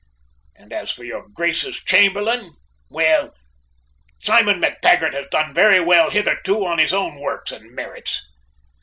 And as for your Grace's Chamberlain well, Simon MacTaggart has done very well hitherto on his own works and merits."